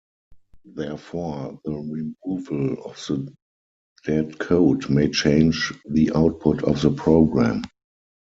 Therefore the removal of the dead code may change the output of the program.